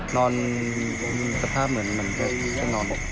นอนสภาพเหมือนมันเท่านั้น